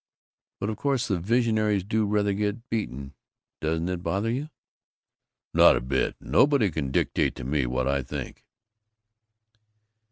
"But of course we visionaries do rather get beaten. Doesn't it bother you?" "Not a bit! Nobody can dictate to me what I think!"